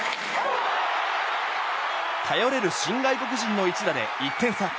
頼れる新外国人の一打で１点差。